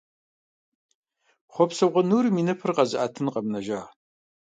Хъуэпсэгъуэ нурым и ныпыр къэзыӀэтын къэмынэжа…